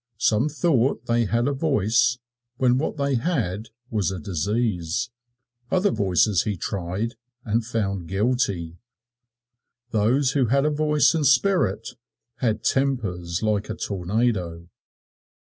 Some thought they had a voice when what they had was a disease. Other voices he tried and found guilty. Those who had voice and spirit had tempers like a tornado.